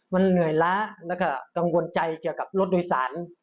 มันเหนื่อยล้าแล้วก็กังวลใจเกี่ยวกับรถโดยสาร